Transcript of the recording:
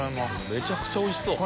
めちゃくちゃおいしそう。